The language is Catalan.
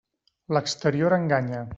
L'exterior enganya.